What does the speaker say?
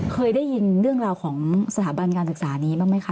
เคยได้ยินเรื่องราวของสถาบันการศึกษานี้บ้างไหมคะ